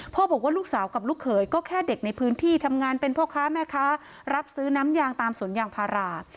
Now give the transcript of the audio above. บอกว่าลูกสาวกับลูกเขยก็แค่เด็กในพื้นที่ทำงานเป็นพ่อค้าแม่ค้ารับซื้อน้ำยางตามสวนยางพารา